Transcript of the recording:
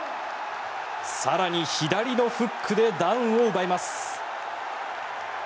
更に左のフックでダウンを奪います。